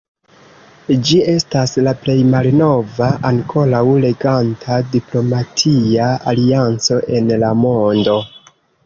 Ĝi estas la plej malnova ankoraŭ reganta diplomatia alianco en la mondo.